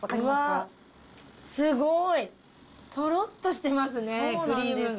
うわっ、すごい！とろっとしてますね、クリームが。